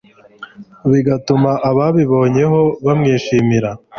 bigatuma ababimubonyeho bamwishimira